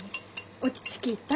落ち着きたい。